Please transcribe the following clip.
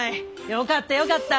よかったよかった。